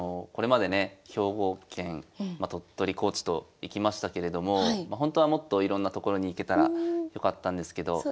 これまでね兵庫県鳥取高知と行きましたけれどもほんとはもっといろんな所に行けたらよかったんですけど。